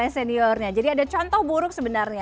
jadi ada contoh buruk sebenarnya